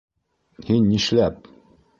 Һин... нишләп...